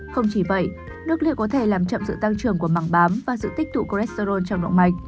không chỉ vậy nước liệu có thể làm chậm sự tăng trưởng của mảng bám và sự tích tụ cholesterol trong động mạch